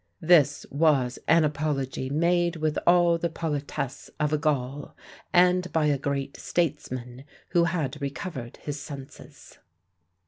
This was an apology made with all the politesse of a Gaul, and by a great statesman who had recovered his senses.